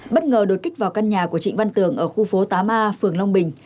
bất ngờ đột kích vào căn nhà của trịnh văn tường ở khu phố tám a phường long bình